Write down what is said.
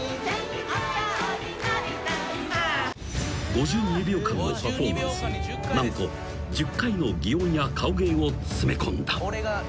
［５２秒間のパフォーマンスに何と１０回の擬音や顔芸を詰め込んだ］